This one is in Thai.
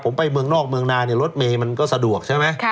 ผมไปเมืองนอกเมืองนาเนี่ยรถเมย์มันก็สะดวกใช่ไหม